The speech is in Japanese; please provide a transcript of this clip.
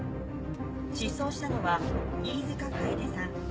失踪したのは飯塚楓さん。